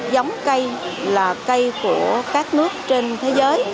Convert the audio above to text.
giống cây là cây của các nước trên thế giới